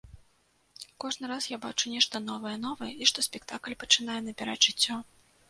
Кожны раз я бачу нешта новае, новае і што спектакль пачынае набіраць жыццё.